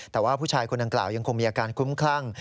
แต่ว่าผู้ชายคนดังกล่าวยังคงมีอาการคุ้มคลั่ง